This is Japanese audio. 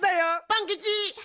パンキチ！